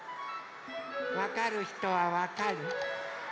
わかるひとはわかる？